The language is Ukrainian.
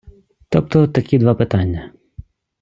Тобто такі два питання.